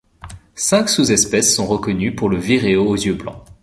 Cinq sous-espèces sont reconnues pour le Viréo aux yeux blancs.